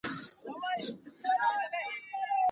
تاسو زکات په پوره صداقت ورکړئ.